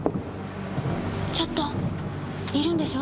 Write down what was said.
ちょっといるんでしょ。